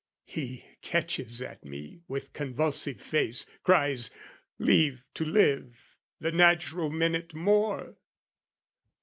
He catches at me with convulsive face, Cries "Leave to live the natural minute more!"